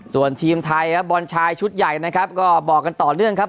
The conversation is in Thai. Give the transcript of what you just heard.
ส่วนทีมไทยครับบอลชายชุดใหญ่นะครับก็บอกกันต่อเนื่องครับ